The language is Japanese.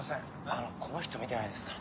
あのこの人見てないですか？